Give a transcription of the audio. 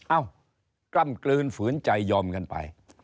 กล้ำกลืนฝืนใจยอมกันไป